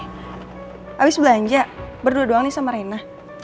habis belanja berdua doang nih sama rena